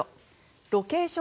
ロケーション